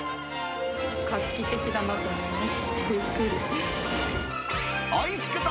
画期的だなと思いました。